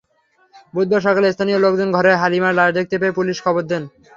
বুধবার সকালে স্থানীয় লোকজন ঘরে হালিমার লাশ দেখতে পেয়ে পুলিশে খবর দেন।